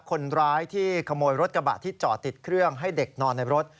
คนร้ายที่ขโมยรถกระบะที่จอดติดเครื่องให้เด็กนอนในรถ